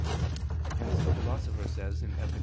Hence the Philosopher says (Ethic.